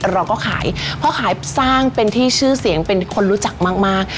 เราก็ขายเพราะขายสร้างเป็นที่ชื่อเสียงเป็นคนรู้จักมากมาก